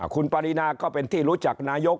คุณปรินาก็เป็นที่รู้จักนายก